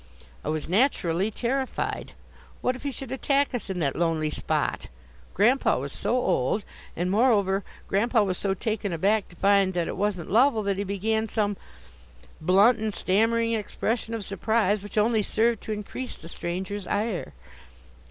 I was naturally terrified. What if he should attack us in that lonely spot! Grandpa was so old! And moreover, Grandpa was so taken aback to find that it wasn't Lovell that he began some blunt and stammering expression of surprise, which only served to increase the stranger's ire.